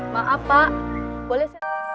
maaf pak boleh